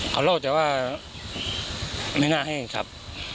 เขาเล่าแต่ว่าไม่น่าให้ขับ